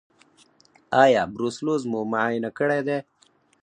ایا بروسلوز مو معاینه کړی دی؟